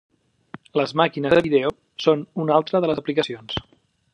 Les màquines de vídeo són una altra de les aplicacions.